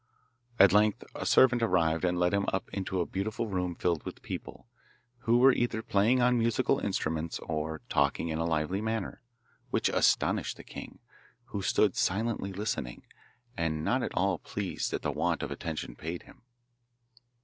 At length a servant arrived and led him up into a beautiful room filled with people, who were either playing on musical instruments or talking in a lively manner, which astonished the king, who stood silently listening, and not at all pleased at the want of attention paid him.